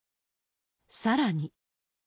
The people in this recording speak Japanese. さらに。